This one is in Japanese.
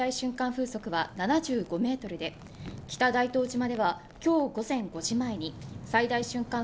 風速は７５メートルで北大東島ではきょう午前５時前に最大瞬間